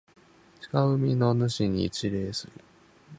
近海の主に一礼する。